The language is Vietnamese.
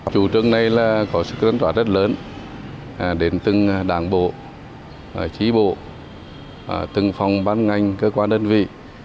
chủ trương này có sự cân toán rất lớn đến từng đảng bộ trí bộ từng phòng ban ngành cơ quan đơn vị